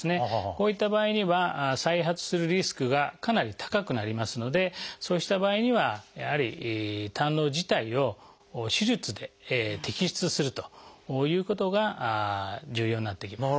こういった場合には再発するリスクがかなり高くなりますのでそうした場合にはやはり胆のう自体を手術で摘出するということが重要になってきます。